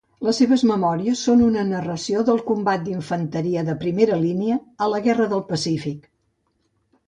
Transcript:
Les seves memòries són una narració del combat d'infanteria de primera línia a la guerra del Pacífic.